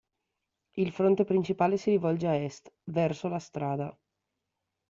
Il fronte principale si rivolge a est, verso la strada.